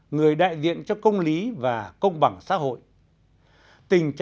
người đại diện cho công lý và công bằng xã hội